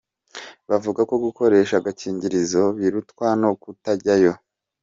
Bavuga ko gukoresha agakingirizo, birutwa no kutajyayo.